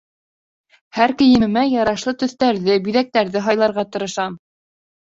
Һәр кейемемә ярашлы төҫтәрҙе, биҙәктәрҙе һайларға тырышам.